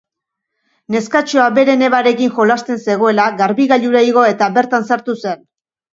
Neskatxoa bere nebarekin jolasten zegoela garbigailura igo eta bertan sartu zen.